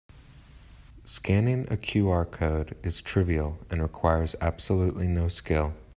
Scanning a QR code is trivial and requires absolutely no skill.